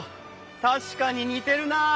確かに似てるなあ。